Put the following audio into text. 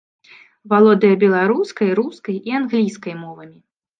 Валодае беларускай, рускай і англійскай мовамі.